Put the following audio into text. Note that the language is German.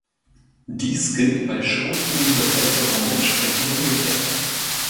Dies gilt bei schrumpfenden Bevölkerungen entsprechend umgekehrt.